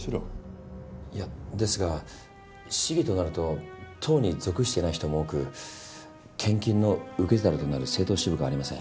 いやですが市議となると党に属してない人も多く献金の受け皿となる政党支部がありません。